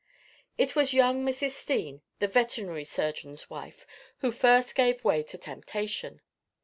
It was young Mrs. Steene, the veterinary surgeons wife, who first gave way to temptation.